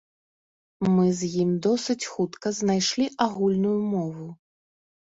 Мы з ім досыць хутка знайшлі агульную мову.